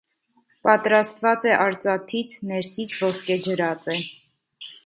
Պատրաստված է արծաթից, ներսից ոսկեջրած է։